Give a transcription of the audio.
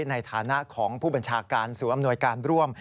ในฐานะของผู้บัญชาการศูนย์อำนวยการร่วม